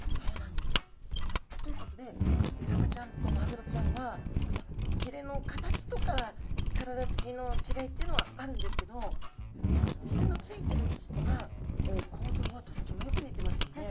ということでサバちゃんとマグロちゃんはひれの形とか体つきの違いっていうのはあるんですけどひれのついてる位置とか構造はとってもよく似てますよね。